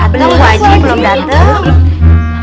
belum bu haji belum dateng